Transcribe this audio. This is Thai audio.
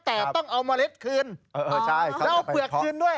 แต่ต้องเอาเมล็ดคืนแล้วเอาเปลือกคืนด้วย